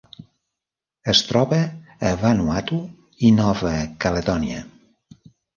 Es troba a Vanuatu i Nova Caledònia.